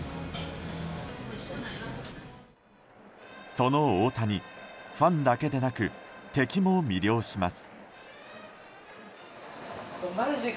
その大谷、ファンだけでなく敵も魅了します。